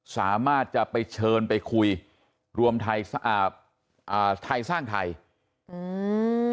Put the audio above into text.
สามารถจะไปเชิญไปคุยรวมไทยอ่าอ่าไทยสร้างไทยอืม